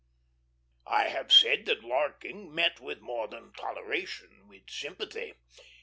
I have said that larking met with more than toleration with sympathy.